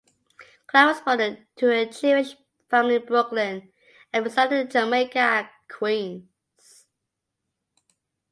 Kline was born to a Jewish family in Brooklyn and resided in Jamaica, Queens.